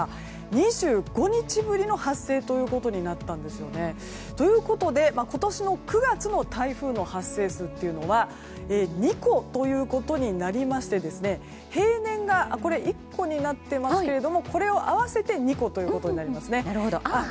２５日ぶりの発生ということになったんですよね。ということで、今年の９月の台風の発生数というのは２個ということになりまして平年が１個になっていますが２個ということになりますね。